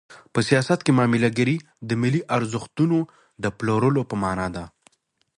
په سیاست کې معامله ګري د ملي ارزښتونو د پلورلو په مانا ده.